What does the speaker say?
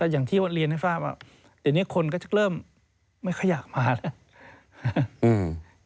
อย่างที่เรียนให้ทราบว่าเดี๋ยวนี้คนก็จะเริ่มไม่ค่อยอยากมาแล้ว